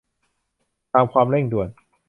ตามความเร่งด่วน